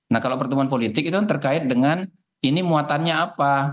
nah kalau pertemuan politik itu terkait dengan ini muatannya apa